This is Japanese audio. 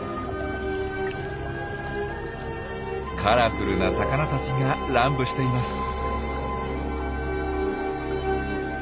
カラフルな魚たちが乱舞しています。